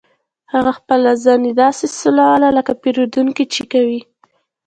هغه خپله زنې داسې سولوله لکه پیرودونکي چې کوي